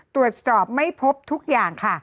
ตรวจสอบไม่พบทุกอย่างค่ะ